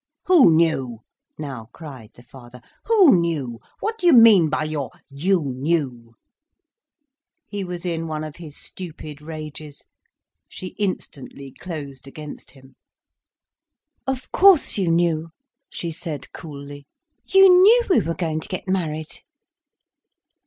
"Who knew?" now cried the father. "Who knew? What do you mean by your 'you knew'?" He was in one of his stupid rages, she instantly closed against him. "Of course you knew," she said coolly. "You knew we were going to get married."